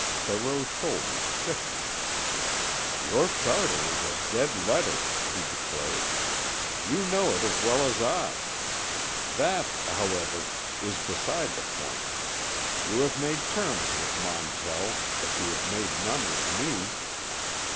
Barreau's shoulders stiffened. "Your charter is a dead letter," he declared. "You know it as well as I. That, however, is beside the point. You have made terms with Montell—but you have made none with me."